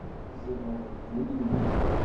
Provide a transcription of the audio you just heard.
Tzedɣeḍ deg wul-inu.